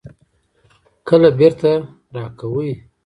کله بیرته راکوئ؟